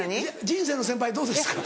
人生の先輩どうですか？